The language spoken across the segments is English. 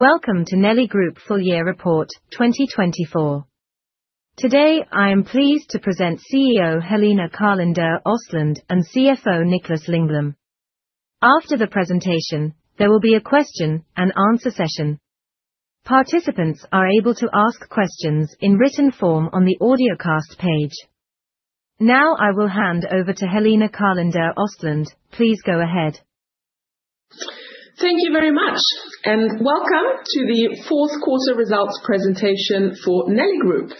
Welcome to Nelly Group Full Year Report 2024. Today I am pleased to present CEO Helena Karlinder-Östlundh and CFO Niklas Lingblom. After the presentation, there will be a question and answer session. Participants are able to ask questions in written form on the audiocast page. Now I will hand over to Helena Karlinder-Östlundh. Please go ahead. Thank you very much, and welcome to the fourth quarter results presentation for Nelly Group.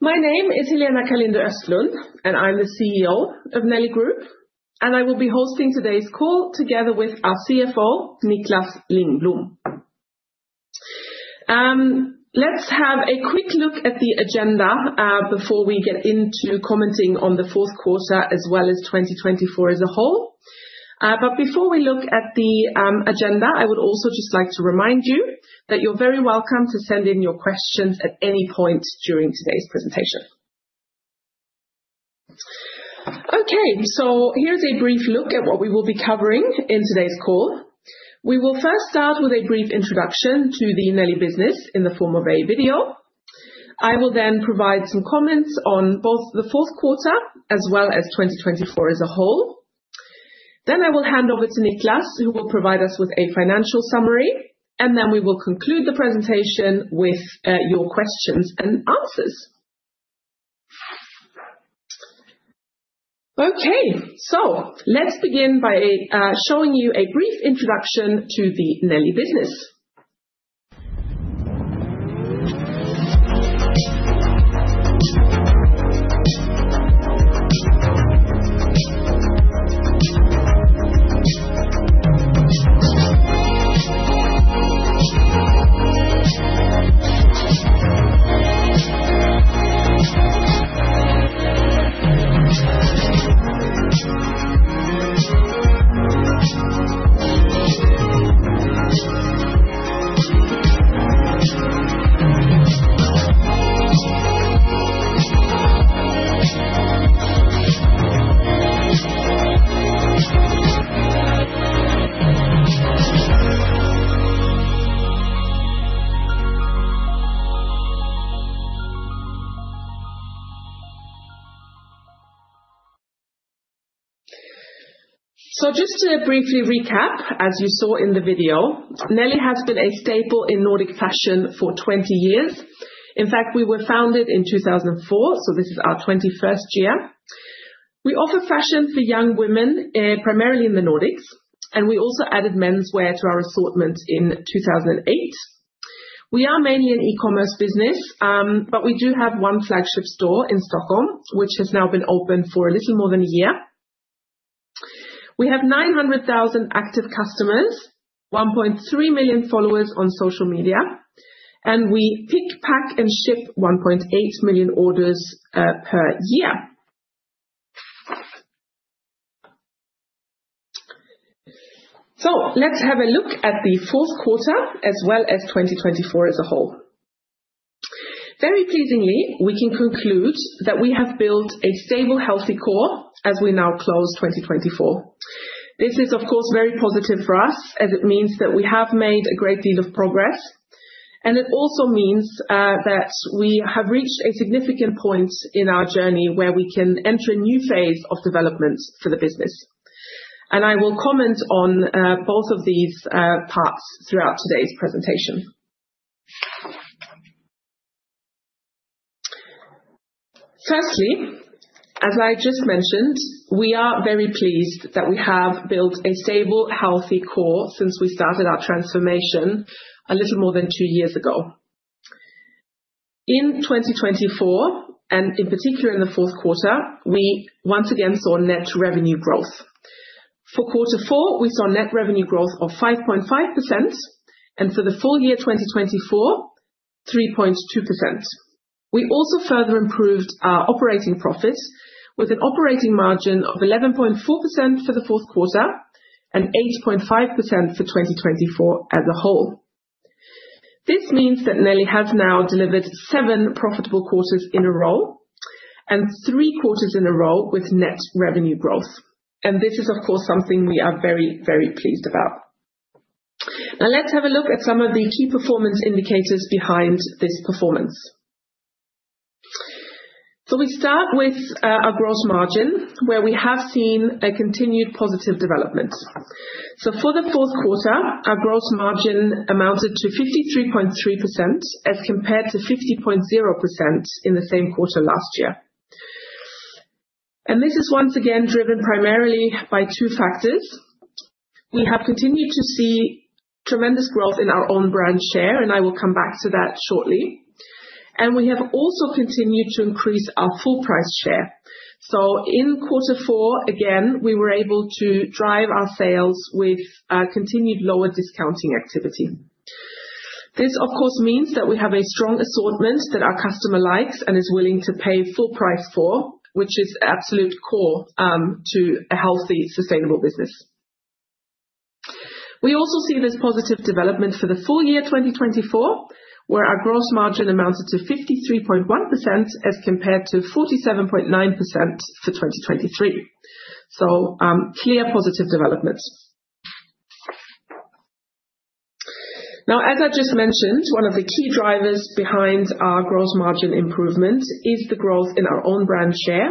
My name is Helena Karlinder-Östlundh, and I'm the CEO of Nelly Group, and I will be hosting today's call together with our CFO, Niklas Lingblom. Let's have a quick look at the agenda before we get into commenting on the fourth quarter as well as 2024 as a whole. Before we look at the agenda, I would also just like to remind you that you're very welcome to send in your questions at any point during today's presentation. Okay, so here's a brief look at what we will be covering in today's call. We will first start with a brief introduction to the Nelly business in the form of a video. I will then provide some comments on both the fourth quarter as well as 2024 as a whole. I will hand over to Niklas, who will provide us with a financial summary, and then we will conclude the presentation with your questions and answers. Okay, let's begin by showing you a brief introduction to the Nelly business. Just to briefly recap, as you saw in the video, Nelly has been a staple in Nordic fashion for 20 years. In fact, we were founded in 2004, so this is our 21st year. We offer fashion for young women, primarily in the Nordics, and we also added menswear to our assortment in 2008. We are mainly an e-commerce business, but we do have one flagship store in Stockholm, which has now been open for a little more than a year. We have 900,000 active customers, 1.3 million followers on social media, and we pick, pack, and ship 1.8 million orders per year. Let's have a look at the fourth quarter as well as 2024 as a whole. Very pleasingly, we can conclude that we have built a stable, healthy core as we now close 2024. This is, of course, very positive for us, as it means that we have made a great deal of progress, and it also means that we have reached a significant point in our journey where we can enter a new phase of development for the business. I will comment on both of these parts throughout today's presentation. Firstly, as I just mentioned, we are very pleased that we have built a stable, healthy core since we started our transformation a little more than two years ago. In 2024, and in particular in the fourth quarter, we once again saw net revenue growth. For quarter four, we saw net revenue growth of 5.5%, and for the full year 2024, 3.2%. We also further improved our operating profit with an operating margin of 11.4% for the fourth quarter and 8.5% for 2024 as a whole. This means that Nelly Group has now delivered seven profitable quarters in a row and three quarters in a row with net revenue growth. This is, of course, something we are very, very pleased about. Now let's have a look at some of the key performance indicators behind this performance. We start with our gross margin, where we have seen a continued positive development. For the fourth quarter, our gross margin amounted to 53.3% as compared to 50.0% in the same quarter last year. This is once again driven primarily by two factors. We have continued to see tremendous growth in our own brand share, and I will come back to that shortly. We have also continued to increase our full price share. In quarter four, again, we were able to drive our sales with continued lower discounting activity. This, of course, means that we have a strong assortment that our customer likes and is willing to pay full price for, which is absolute core to a healthy, sustainable business. We also see this positive development for the full year 2024, where our gross margin amounted to 53.1% as compared to 47.9% for 2023. Clear positive developments. As I just mentioned, one of the key drivers behind our gross margin improvement is the growth in our own brand share.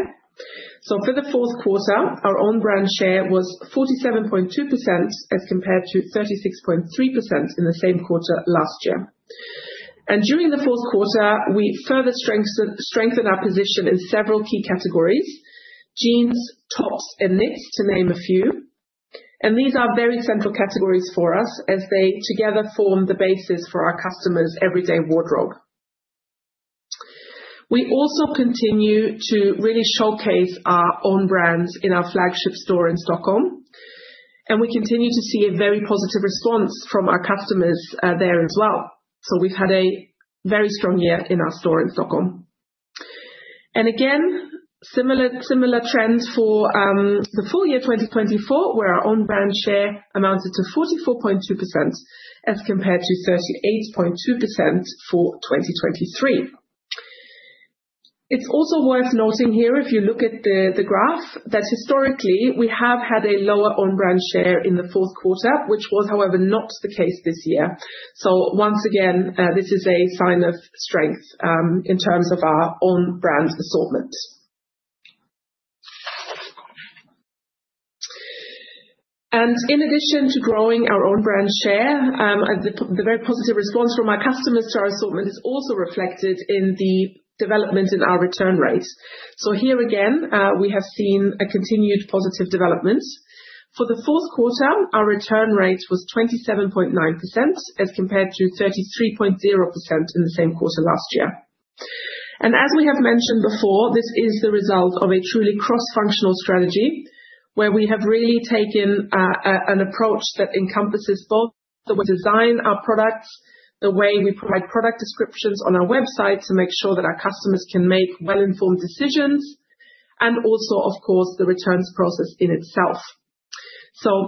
For the fourth quarter, our own brand share was 47.2% as compared to 36.3% in the same quarter last year. During the fourth quarter, we further strengthened our position in several key categories: jeans, tops, and knits, to name a few. These are very central categories for us as they together form the basis for our customers' everyday wardrobe. We also continue to really showcase our own brands in our flagship store in Stockholm, and we continue to see a very positive response from our customers there as well. We have had a very strong year in our store in Stockholm. Similar trends for the full year 2024, where our own brand share amounted to 44.2% as compared to 38.2% for 2023. is also worth noting here, if you look at the graph, that historically we have had a lower own brand share in the fourth quarter, which was, however, not the case this year. Once again, this is a sign of strength in terms of our own brand assortment. In addition to growing our own brand share, the very positive response from our customers to our assortment is also reflected in the development in our return rate. Here again, we have seen a continued positive development. For the fourth quarter, our return rate was 27.9% as compared to 33.0% in the same quarter last year. As we have mentioned before, this is the result of a truly cross-functional strategy, where we have really taken an approach that encompasses both the way we design our products, the way we provide product descriptions on our website to make sure that our customers can make well-informed decisions, and also, of course, the returns process in itself.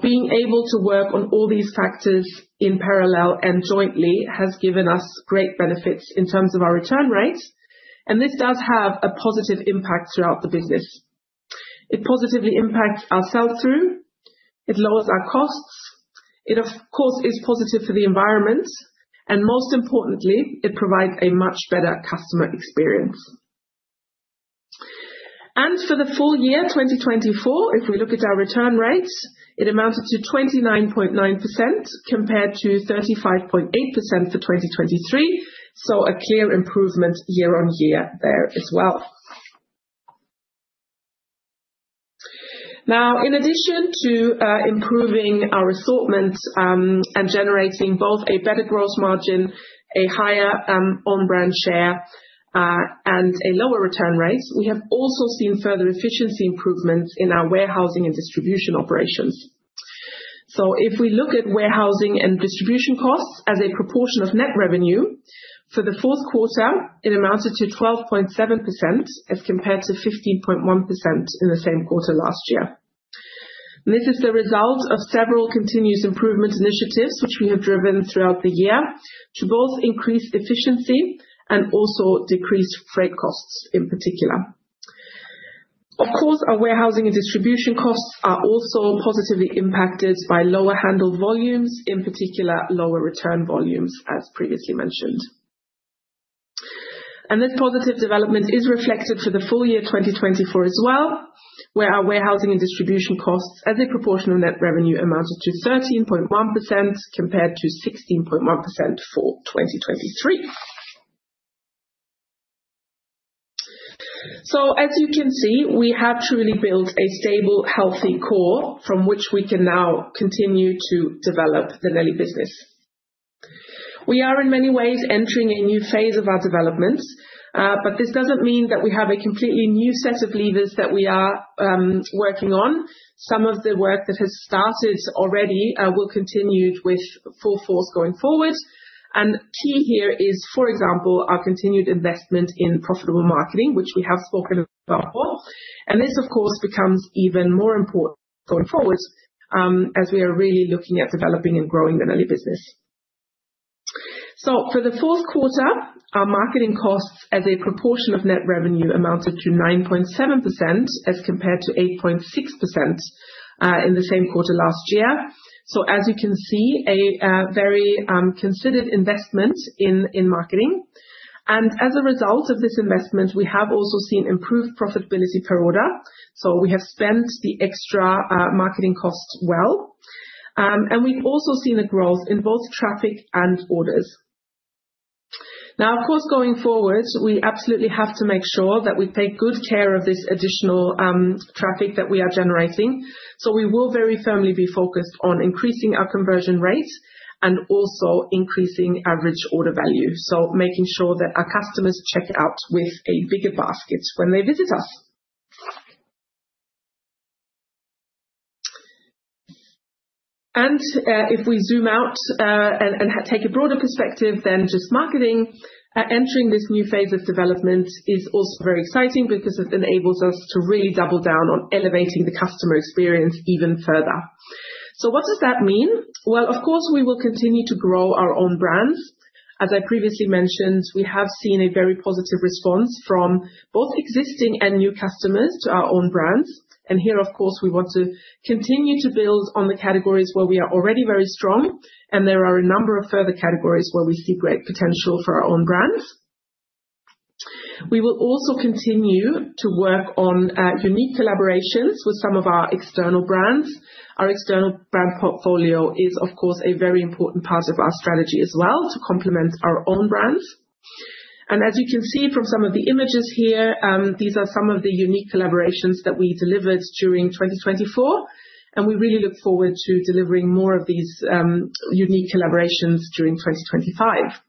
Being able to work on all these factors in parallel and jointly has given us great benefits in terms of our return rate, and this does have a positive impact throughout the business. It positively impacts our sell-through, it lowers our costs, it, of course, is positive for the environment, and most importantly, it provides a much better customer experience. For the full year 2024, if we look at our return rate, it amounted to 29.9% compared to 35.8% for 2023, so a clear improvement year on year there as well. In addition to improving our assortment and generating both a better gross margin, a higher own brand share, and lower return rates, we have also seen further efficiency improvements in our warehousing and distribution operations. If we look at warehousing and distribution costs as a proportion of net revenue, for the fourth quarter, it amounted to 12.7% as compared to 15.1% in the same quarter last year. This is the result of several continuous improvement initiatives which we have driven throughout the year to both increase efficiency and also decrease freight costs in particular. Of course, our warehousing and distribution costs are also positively impacted by lower handle volumes, in particular lower return volumes, as previously mentioned. This positive development is reflected for the full year 2024 as well, where our warehousing and distribution costs as a proportion of net revenue amounted to 13.1% compared to 16.1% for 2023. As you can see, we have truly built a stable, healthy core from which we can now continue to develop the Nelly business. We are in many ways entering a new phase of our development, but this does not mean that we have a completely new set of levers that we are working on. Some of the work that has started already will continue with full force going forward. Key here is, for example, our continued investment in profitable marketing, which we have spoken about more. This, of course, becomes even more important going forward as we are really looking at developing and growing the Nelly business. For the fourth quarter, our marketing costs as a proportion of net revenue amounted to 9.7% as compared to 8.6% in the same quarter last year. As you can see, a very considered investment in marketing. As a result of this investment, we have also seen improved profitability per order. We have spent the extra marketing costs well. We have also seen a growth in both traffic and orders. Now, of course, going forward, we absolutely have to make sure that we take good care of this additional traffic that we are generating. We will very firmly be focused on increasing our conversion rate and also increasing average order value, so making sure that our customers check out with a bigger basket when they visit us. If we zoom out and take a broader perspective than just marketing, entering this new phase of development is also very exciting because it enables us to really double down on elevating the customer experience even further. What does that mean? Of course, we will continue to grow our own brands. As I previously mentioned, we have seen a very positive response from both existing and new customers to our own brands. Here, of course, we want to continue to build on the categories where we are already very strong, and there are a number of further categories where we see great potential for our own brands. We will also continue to work on unique collaborations with some of our external brands. Our external brand portfolio is, of course, a very important part of our strategy as well to complement our own brands. As you can see from some of the images here, these are some of the unique collaborations that we delivered during 2024, and we really look forward to delivering more of these unique collaborations during 2025.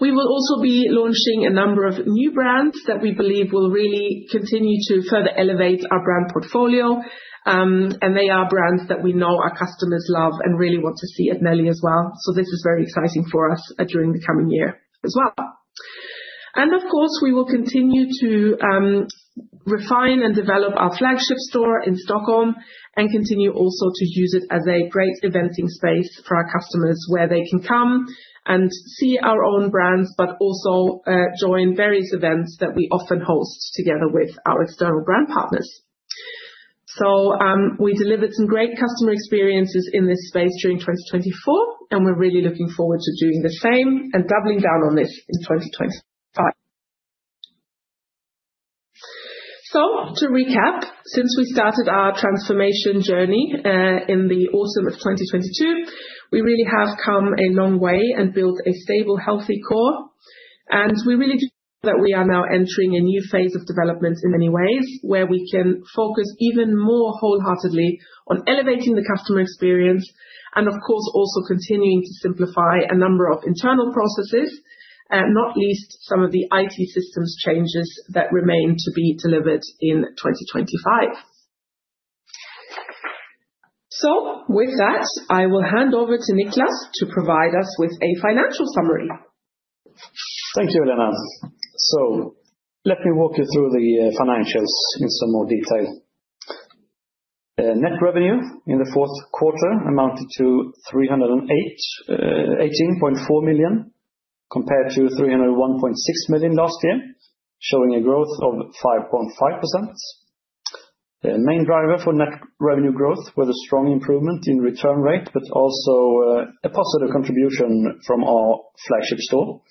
We will also be launching a number of new brands that we believe will really continue to further elevate our brand portfolio, and they are brands that we know our customers love and really want to see at Nelly as well. This is very exciting for us during the coming year as well. We will continue to refine and develop our flagship store in Stockholm and continue also to use it as a great eventing space for our customers where they can come and see our own brands, but also join various events that we often host together with our external brand partners. We delivered some great customer experiences in this space during 2024, and we're really looking forward to doing the same and doubling down on this in 2025. To recap, since we started our transformation journey in the autumn of 2022, we really have come a long way and built a stable, healthy core. We really do feel that we are now entering a new phase of development in many ways where we can focus even more wholeheartedly on elevating the customer experience and, of course, also continuing to simplify a number of internal processes, not least some of the IT systems changes that remain to be delivered in 2025. With that, I will hand over to Niklas to provide us with a financial summary. Thank you, Helena. Let me walk you through the financials in some more detail. Net revenue in the fourth quarter amounted to 318.4 million compared to 301.6 million last year, showing a growth of 5.5%. The main driver for net revenue growth was a strong improvement in return rate, but also a positive contribution from our flagship store.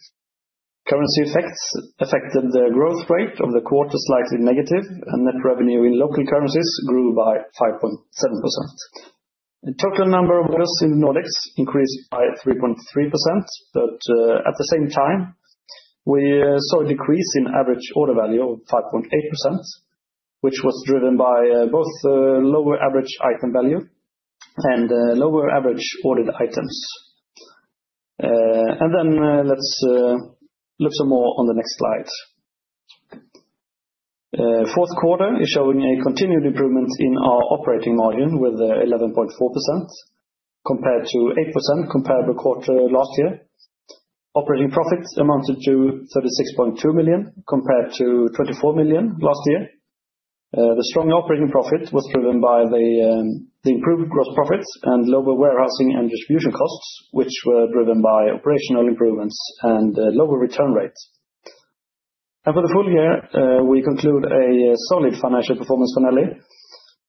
Currency effects affected the growth rate of the quarter slightly negative, and net revenue in local currencies grew by 5.7%. The total number of orders in Nordics increased by 3.3%, but at the same time, we saw a decrease in average order value of 5.8%, which was driven by both lower average item value and lower average ordered items. Let's look some more on the next slide. Fourth quarter is showing a continued improvement in our operating margin with 11.4% compared to 8% in the quarter last year. Operating profit amounted to 36.2 million compared to 24 million last year. The strong operating profit was driven by the improved gross profits and lower warehousing and distribution costs, which were driven by operational improvements and lower return rates. For the full year, we conclude a solid financial performance for Nelly Group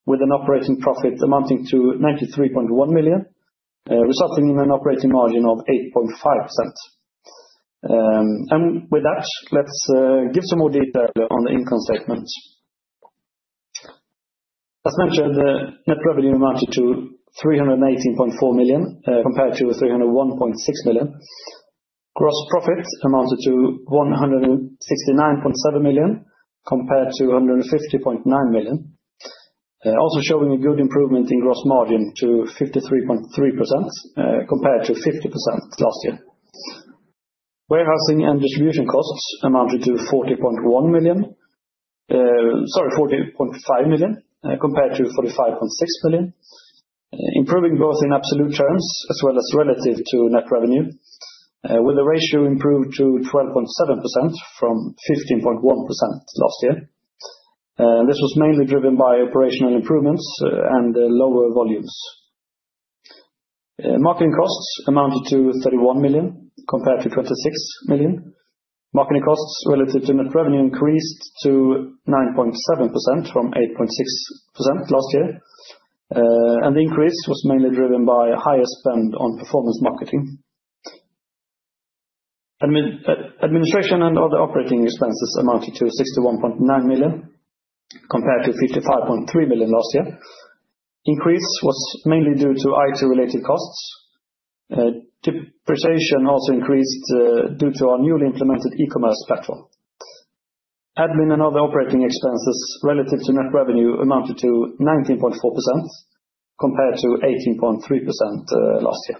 with an operating profit amounting to 93.1 million, resulting in an operating margin of 8.5%. With that, let's give some more detail on the income statement. As mentioned, the net revenue amounted to 318.4 million compared to 301.6 million. Gross profit amounted to 169.7 million compared to 150.9 million, also showing a good improvement in gross margin to 53.3% compared to 50% last year. Warehousing and distribution costs amounted to 40.5 million compared to 45.6 million, improving both in absolute terms as well as relative to net revenue, with the ratio improved to 12.7% from 15.1% last year. This was mainly driven by operational improvements and lower volumes. Marketing costs amounted to 31 million compared to 26 million. Marketing costs relative to net revenue increased to 9.7% from 8.6% last year. The increase was mainly driven by higher spend on performance marketing. Administration and other operating expenses amounted to 61.9 million compared to 55.3 million last year. The increase was mainly due to IT-related costs. Depreciation also increased due to our newly implemented e-commerce platform. Administration and other operating expenses relative to net revenue amounted to 19.4% compared to 18.3% last year.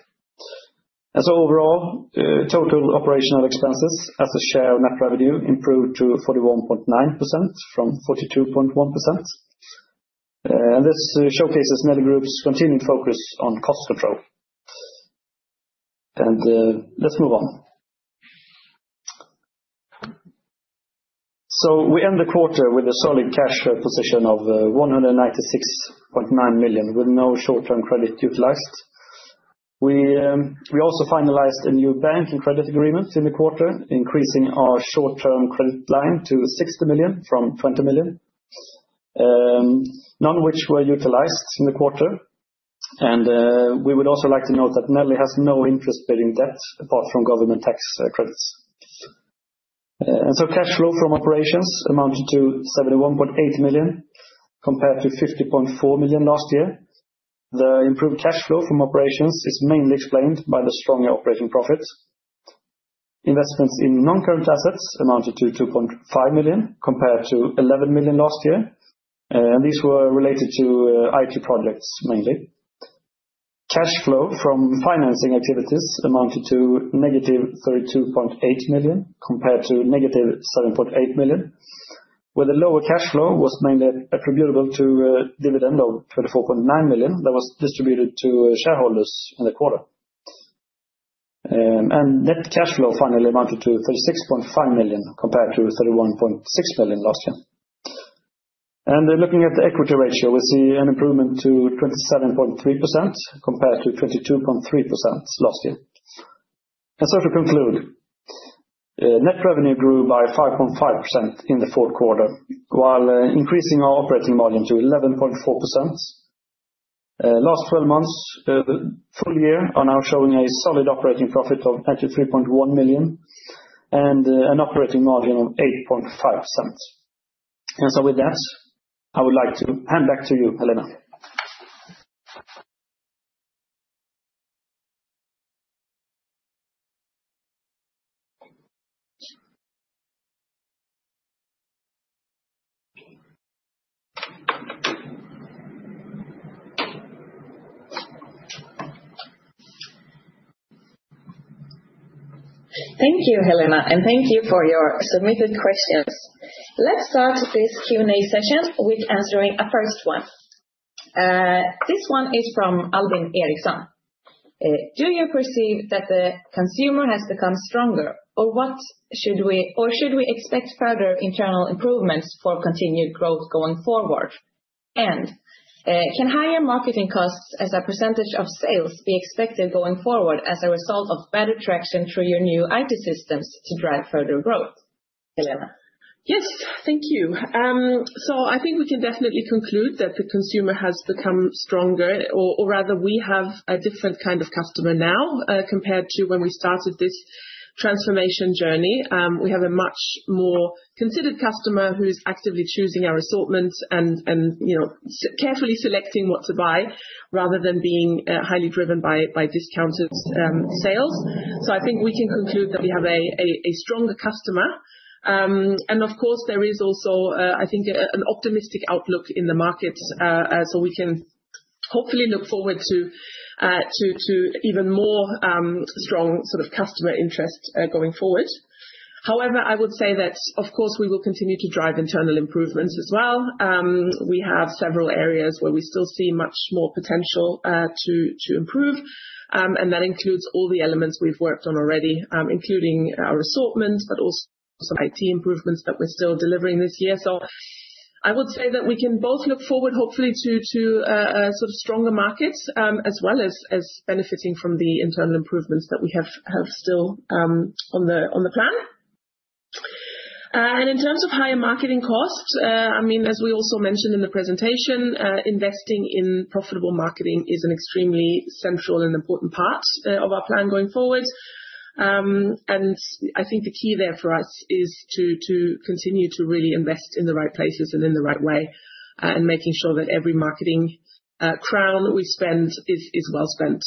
Overall, total operational expenses as a share of net revenue improved to 41.9% from 42.1%. This showcases Nelly Group's continued focus on cost control. Let's move on. We end the quarter with a solid cash position of 196.9 million with no short-term credit utilized. We also finalized a new bank and credit agreement in the quarter, increasing our short-term credit line to 60 million from 20 million, none of which were utilized in the quarter. We would also like to note that Nelly has no interest-bearing debt apart from government tax credits. Cash flow from operations amounted to 71.8 million compared to 50.4 million last year. The improved cash flow from operations is mainly explained by the stronger operating profits. Investments in non-current assets amounted to 2.5 million compared to 11 million last year. These were related to IT projects mainly. Cash flow from financing activities amounted to negative 32.8 million compared to negative 7.8 million, where the lower cash flow was mainly attributable to a dividend of 24.9 million that was distributed to shareholders in the quarter. Net cash flow finally amounted to 36.5 million compared to 31.6 million last year. Looking at the equity ratio, we see an improvement to 27.3% compared to 22.3% last year. To conclude, net revenue grew by 5.5% in the fourth quarter, while increasing our operating margin to 11.4%. Last 12 months, full year are now showing a solid operating profit of 93.1 million and an operating margin of 8.5%. With that, I would like to hand back to you, Helena. Thank you, Helena, and thank you for your submitted questions. Let's start this Q&A session with answering a first one. This one is from Albin Eriksson. Do you perceive that the consumer has become stronger, or should we expect further internal improvements for continued growth going forward? Can higher marketing costs as a percentage of sales be expected going forward as a result of better traction through your new IT systems to drive further growth? Helena. Yes, thank you. I think we can definitely conclude that the consumer has become stronger, or rather we have a different kind of customer now compared to when we started this transformation journey. We have a much more considered customer who's actively choosing our assortment and carefully selecting what to buy rather than being highly driven by discounted sales. I think we can conclude that we have a stronger customer. Of course, there is also, I think, an optimistic outlook in the markets. We can hopefully look forward to even more strong sort of customer interest going forward. However, I would say that, of course, we will continue to drive internal improvements as well. We have several areas where we still see much more potential to improve, and that includes all the elements we've worked on already, including our assortment, but also some IT improvements that we're still delivering this year. I would say that we can both look forward, hopefully, to sort of stronger markets as well as benefiting from the internal improvements that we have still on the plan. In terms of higher marketing costs, I mean, as we also mentioned in the presentation, investing in profitable marketing is an extremely central and important part of our plan going forward. I think the key there for us is to continue to really invest in the right places and in the right way and making sure that every marketing krona we spend is well spent.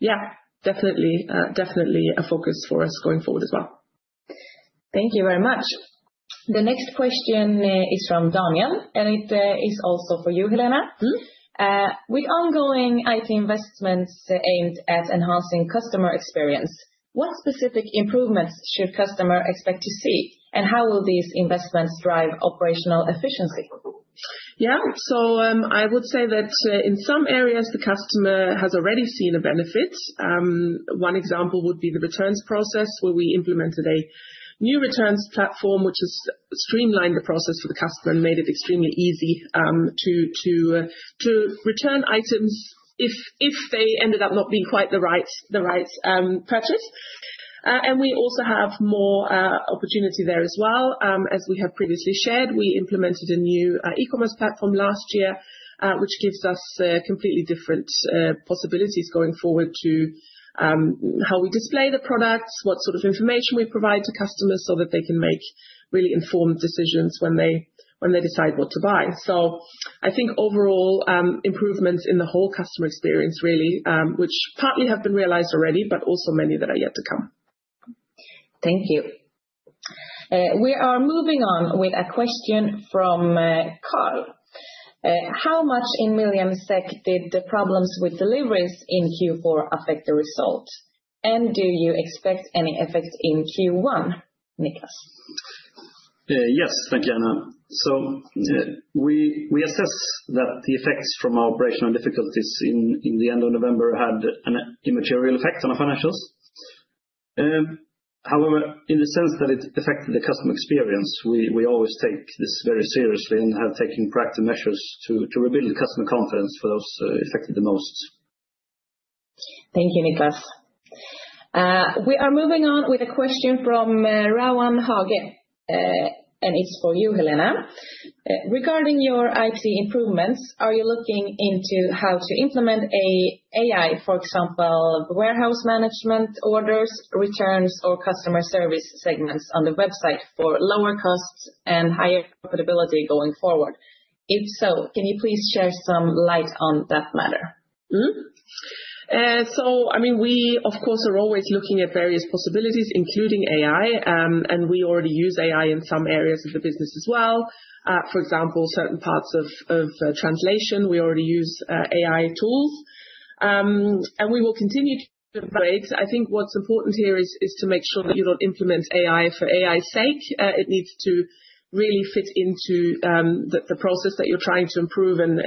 Yeah, definitely a focus for us going forward as well. Thank you very much. The next question is from Daniel, and it is also for you, Helena. With ongoing IT investments aimed at enhancing customer experience, what specific improvements should customers expect to see, and how will these investments drive operational efficiency? Yeah, I would say that in some areas, the customer has already seen a benefit. One example would be the returns process where we implemented a new returns platform, which has streamlined the process for the customer and made it extremely easy to return items if they ended up not being quite the right purchase. We also have more opportunity there as well. As we have previously shared, we implemented a new e-commerce platform last year, which gives us completely different possibilities going forward to how we display the products, what sort of information we provide to customers so that they can make really informed decisions when they decide what to buy. I think overall improvements in the whole customer experience, really, which partly have been realized already, but also many that are yet to come. Thank you. We are moving on with a question from Carl. How much in MSEK did the problems with deliveries in Q4 affect the result? Do you expect any effect in Q1, Niklas? Yes, thank you, Helena. We assess that the effects from our operational difficulties in the end of November had an immaterial effect on our financials. However, in the sense that it affected the customer experience, we always take this very seriously and have taken proactive measures to rebuild customer confidence for those affected the most. Thank you, Niklas. We are moving on with a question from Raoul Hager, and it's for you, Helena. Regarding your IT improvements, are you looking into how to implement AI, for example, warehouse management orders, returns, or customer service segments on the website for lower costs and higher profitability going forward? If so, can you please share some light on that matter? I mean, we, of course, are always looking at various possibilities, including AI, and we already use AI in some areas of the business as well. For example, certain parts of translation, we already use AI tools. We will continue to breaks, I think what's important here is to make sure that you don't implement AI for AI's sake. It needs to really fit into the process that you're trying to improve, and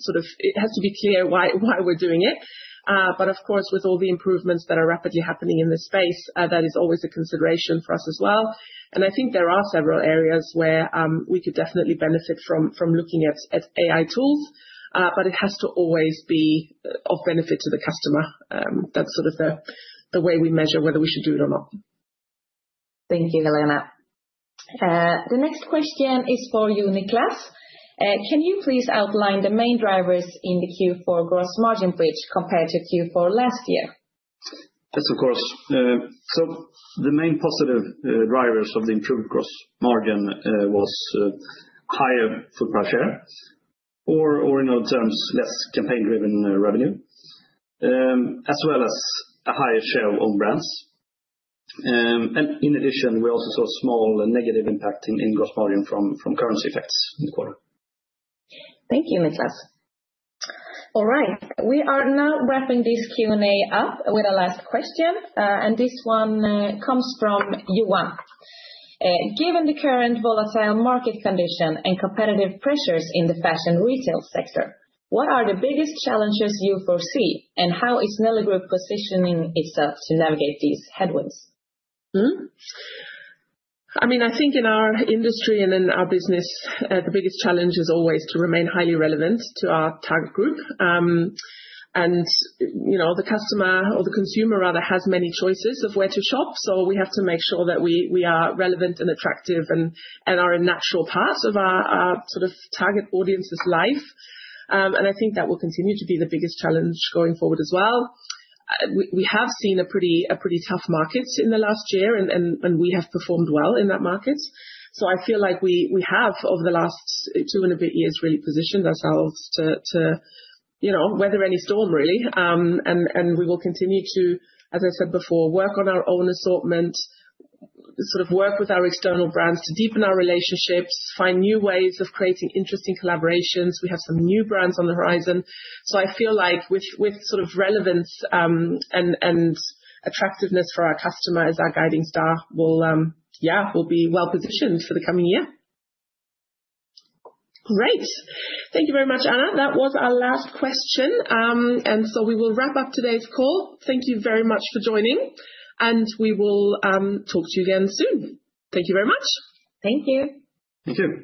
sort of it has to be clear why we're doing it. Of course, with all the improvements that are rapidly happening in this space, that is always a consideration for us as well. I think there are several areas where we could definitely benefit from looking at AI tools, but it has to always be of benefit to the customer. That's sort of the way we measure whether we should do it or not. Thank you, Helena. The next question is for you, Niklas. Can you please outline the main drivers in the Q4 gross margin bridge compared to Q4 last year? Yes, of course. The main positive drivers of the improved gross margin was higher full price share, or in other terms, less campaign-driven revenue, as well as a higher share of own brands. In addition, we also saw a small negative impact in gross margin from currency effects in the quarter. Thank you, Niklas. All right, we are now wrapping this Q&A up with a last question, and this one comes from Yu Wang. Given the current volatile market condition and competitive pressures in the fashion retail sector, what are the biggest challenges you foresee, and how is Nelly Group positioning itself to navigate these headwinds? I mean, I think in our industry and in our business, the biggest challenge is always to remain highly relevant to our target group. The customer, or the consumer rather, has many choices of where to shop. We have to make sure that we are relevant and attractive and are a natural part of our sort of target audience's life. I think that will continue to be the biggest challenge going forward as well. We have seen a pretty tough market in the last year, and we have performed well in that market. I feel like we have, over the last two and a bit years, really positioned ourselves to weather any storm, really. We will continue to, as I said before, work on our own assortment, sort of work with our external brands to deepen our relationships, find new ways of creating interesting collaborations. We have some new brands on the horizon. I feel like with sort of relevance and attractiveness for our customers as our guiding star, yeah, we'll be well positioned for the coming year. Great. Thank you very much, Anna. That was our last question. We will wrap up today's call. Thank you very much for joining, and we will talk to you again soon. Thank you very much. Thank you. Thank you.